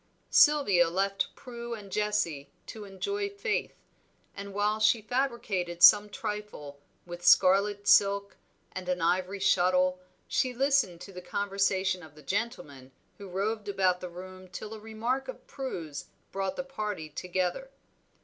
Sylvia left Prue and Jessie to enjoy Faith, and while she fabricated some trifle with scarlet silk and an ivory shuttle, she listened to the conversation of the gentlemen who roved about the room till a remark of Prue's brought the party together.